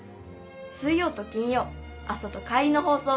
水曜と金曜朝と帰りのほうそう。